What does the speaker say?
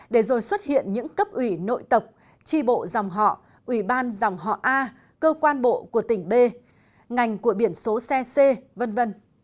để rồi xuất hiện những cấp ủy nội tập tri bộ dòng họ ủy ban dòng họ a cơ quan bộ của tỉnh b ngành của biển số xe c v v